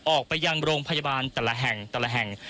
ออกไปยังโรงพยาบาลแต่ละแห่งแต่ละแห่ง